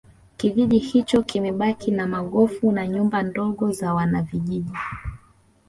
Kijiji hicho kimebaki na magofu na nyumba ndogo za wanavijiji